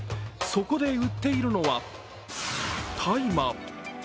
そこで売っているのは大麻。